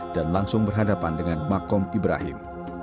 dan langsung berhadapan dengan makom ibrahim